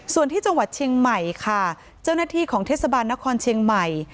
ส่วนที่จังหวัดเชียงใหม่ค่ะเจ้าหน้าที่ของเทศบาลนครเชียงใหม่